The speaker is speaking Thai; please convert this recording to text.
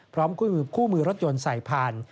คู่มือรถยนต์ใส่ผ่าน